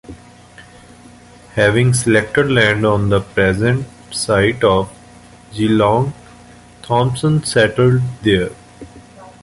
Having selected land on the present site of Geelong, Thomson settled there.